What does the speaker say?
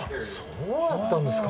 そうだったんですか。